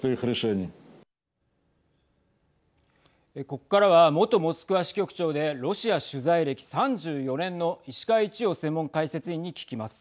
ここからは元モスクワ支局長でロシア取材歴３４年の石川一洋専門解説委員に聞きます。